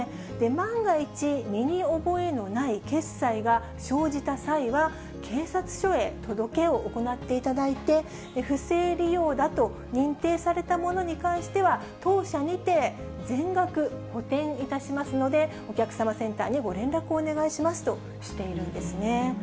万が一、身に覚えのない決済が生じた際は、警察署へ届けを行っていただいて、不正利用だと認定されたものに関しては、当社にて全額補填いたしますので、お客様センターにご連絡をお願いしますとしているんですね。